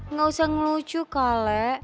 nggak usah ngelucu kale